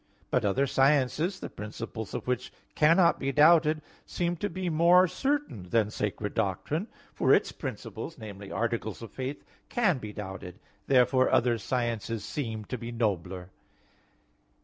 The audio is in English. But other sciences, the principles of which cannot be doubted, seem to be more certain than sacred doctrine; for its principles namely, articles of faith can be doubted. Therefore other sciences seem to be nobler.